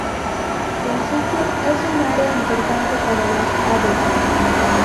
El sitio es un área importante para las aves.